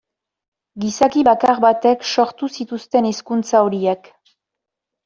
Gizaki bakar batek sortu zituzten hizkuntza horiek.